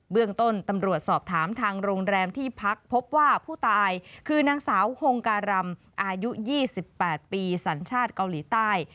เรื่องต้นตำรวจสอบถามทางโรงแรมที่พักพบว่าผู้ตายคือนางสาวฮงการำอายุ๒๘ปีสัญชาติเกาหลีใต้